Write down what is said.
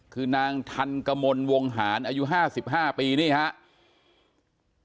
คือนางทันกมลวงหารอายุ๕๕ปีนี่ครับ